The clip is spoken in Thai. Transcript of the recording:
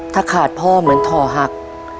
ถ้าขาดพ่อเหมือนถ่อหัก